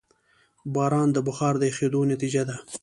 باران د بخار د یخېدو نتیجه ده.